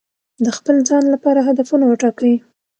د خپل ځان لپاره هدفونه وټاکئ.